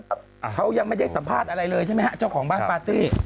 เขายังไม่ได้สัมภาษณ์อะไรเลยใช่ไหมฮะเจ้าของบ้านปาร์ตี้